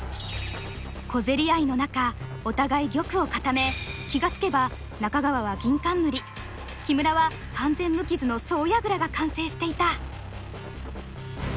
小競り合いの中お互い玉を固め気が付けば中川は銀冠木村は完全無傷の総矢倉が完成していた。